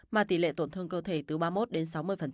mà tỷ lệ tổn thương cơ thể từ ba mươi một đến sáu mươi